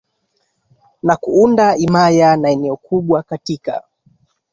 na kuunda himaya na eneo kubwa Katika